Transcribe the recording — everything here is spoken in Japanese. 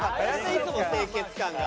いつも清潔感が。